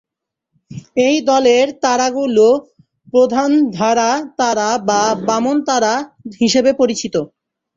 এই দলের তারাগুলি প্রধান-ধারা তারা বা বামন তারা হিসাবে পরিচিত।